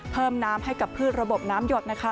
เพิ่มน้ำให้กับพืชระบบน้ำหยดนะคะ